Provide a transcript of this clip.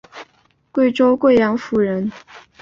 贵州贵阳府人。